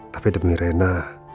tapi demi rena